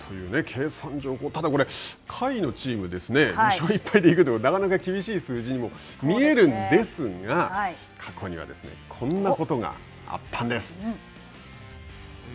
ただ、これは下位のチームですね、２勝１敗で行くというのはなかなか厳しい数字にも見えるんですが、過去には、こんなことがあったんです。